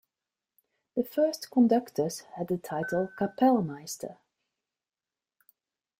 The first conductors had the title "Kapellmeister".